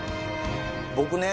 僕ね